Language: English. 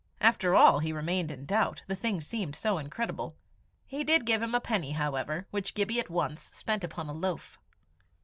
After all, he remained in doubt, the thing seemed so incredible. He did give him a penny, however, which Gibbie at once spent upon a loaf.